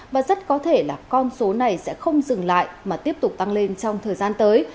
và rất có thể là con số này sẽ không dừng lại mà tiếp tục tăng lên trong thời gian tới